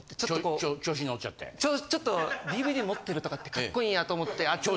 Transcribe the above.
ちょっとＤＶＤ持ってるとかってカッコいいんやと思って集め。